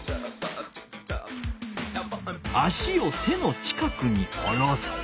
足を手の近くに下ろす。